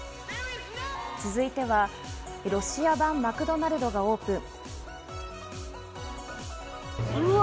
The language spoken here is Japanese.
続いては、ロシア版マクドナルドオープン。